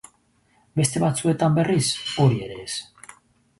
Beste batzuetan, berriz, hori ere ez.